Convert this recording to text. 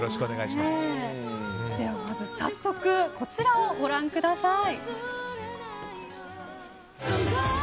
では早速、こちらをご覧ください。